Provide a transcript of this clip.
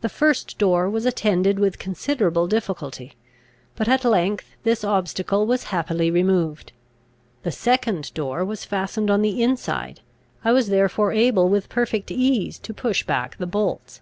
The first door was attended with considerable difficulty; but at length this obstacle was happily removed. The second door was fastened on the inside. I was therefore able with perfect ease to push back the bolts.